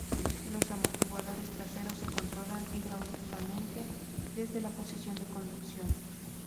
Los amortiguadores traseros se controlan hidráulicamente desde la posición de conducción.